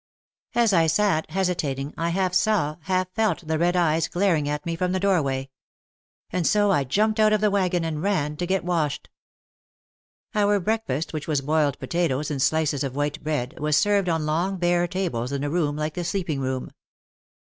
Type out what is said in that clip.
As I sat, hesitating, I half saw, half felt the red eyes glaring at me from the doorway. And so I jumped out of the wag on and ran to get washed. Our breakfast, which was boiled potatoes and slices of white bread, was served on long bare tables in a room like the sleeping room.